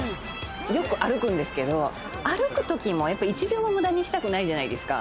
よく歩くんですけど、歩くときも１秒も無駄にしたくないじゃないですか。